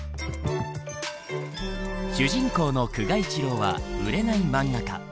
主人公の久我一郎は売れない漫画家。